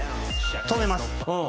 止めます。